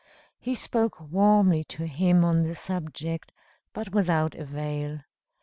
He spoke warmly to him on the subject, but without avail.